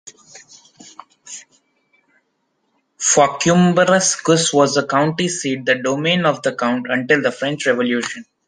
Fauquembergues was a county seat, the domain of a count, until the French Revolution.